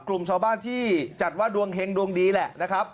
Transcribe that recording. กลุ่มชาวบ้านที่จัดว่าดวงเฮงดวงดีแหละนะครับ